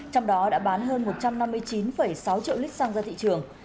trong đó đã bán hơn một trăm năm mươi chín sáu triệu lít xăng ra thị trường